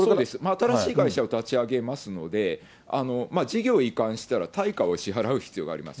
新しい会社を立ち上げますので、事業移管したら対価を支払う必要があります。